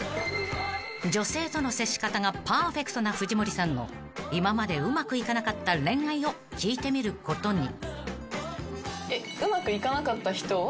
［女性との接し方がパーフェクトな藤森さんの今までうまくいかなかった恋愛を聞いてみることに］